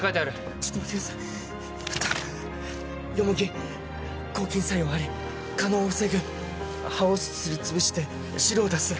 ちょっと待ってくださいあった「ヨモギ抗菌作用あり化膿を防ぐ」「葉をすりつぶして汁を出す」